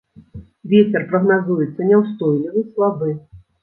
Вецер прагназуецца няўстойлівы, слабы.